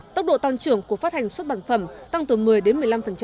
tốc độ tăng trưởng của phát hành xuất bản phẩm tăng từ một mươi đến một mươi năm